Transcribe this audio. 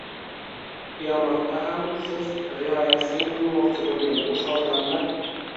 Qiyomatda ham siz rioyasini qilmoqchi bo‘lgan o‘sha odamlar